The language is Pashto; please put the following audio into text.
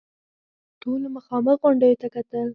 ټولو مخامخ غونډيو ته کتل.